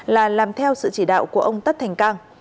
là làm theo sự chỉ đạo của ông tất thành cang